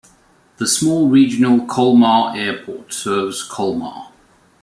The small regional Colmar Airport serves Colmar.